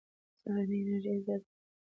سهارنۍ د انرژۍ د زیاتوالي سبب کېږي.